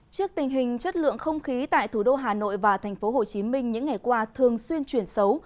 trước tình hình chất lượng không khí tại thủ đô hà nội và thành phố hồ chí minh những ngày qua thường xuyên chuyển xấu